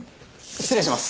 失礼します。